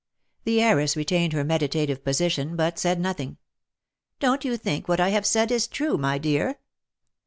The heiress retained her meditative position, but said nothing. " Don't you think what I have said is true, my dear?"